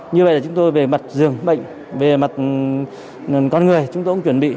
như vậy là chúng tôi về mặt dường bệnh về mặt con người chúng tôi cũng chuẩn bị